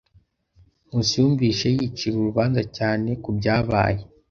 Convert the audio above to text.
Nkusi yumvise yicira urubanza cyane kubyabaye.